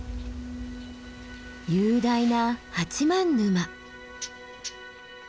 雄大な八幡沼。